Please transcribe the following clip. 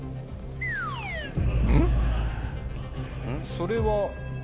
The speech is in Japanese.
それは。